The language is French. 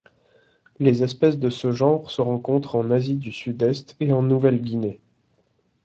Les espèces de ce genre se rencontrent en Asie du Sud-Est et en Nouvelle-Guinée.